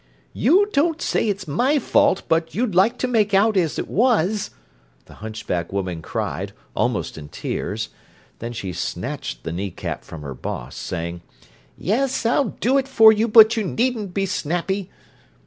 "You don't say it's my fault, but you'd like to make out as it was," the hunchback woman cried, almost in tears. Then she snatched the knee cap from her "boss", saying: "Yes, I'll do it for you, but you needn't be snappy."